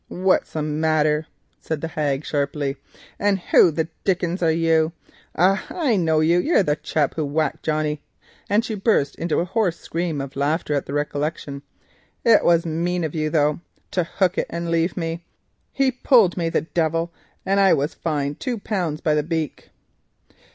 "What's the matter?" said the hag sharply, "and who the dickens are you? Ah, I know now; you're the chap who whacked Johnnie," and she burst into a hoarse scream of laughter at the recollection. "It was mean of you though to hook it and leave me. He pulled me, and I was fined two pounds by the beak."